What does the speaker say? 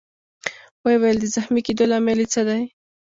ويې ویل: د زخمي کېدو لامل يې څه دی؟